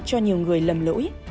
cho nhiều người lầm lỗi